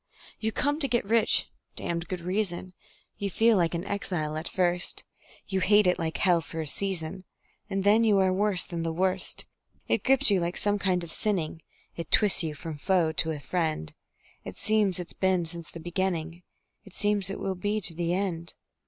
You come to get rich (damned good reason); You feel like an exile at first; You hate it like hell for a season, And then you are worse than the worst. It grips you like some kinds of sinning; It twists you from foe to a friend; It seems it's been since the beginning; It seems it will be to the end.